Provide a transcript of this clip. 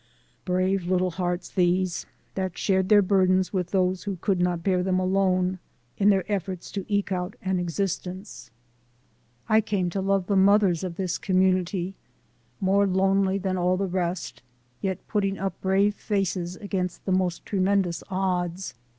Brave little hearts these, that shared the burdens with those who could not bear them alone, in their efforts to eke out an existence. I came to love the mothers of this community, more lonely than all the rest, yet putting up brave faces against the most tremendous odds.